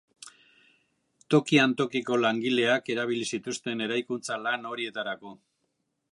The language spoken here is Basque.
Tokian tokiko langileak erabili zituzten eraikuntza-lan horietarako.